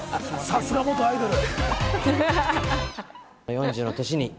さすが元アイドル。